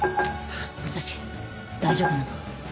武蔵大丈夫なの？